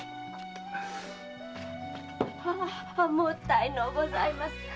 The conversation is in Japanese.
ああもったいのうございます。